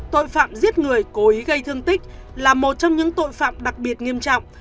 tội phạm giết người cố ý gây thương tích là một trong những tội phạm đặc biệt nghiêm trọng